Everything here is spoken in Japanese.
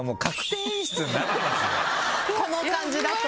この感じだと。